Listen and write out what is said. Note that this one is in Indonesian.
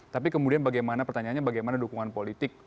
tapi kemudian bagaimana pertanyaannya bagaimana dukungan politik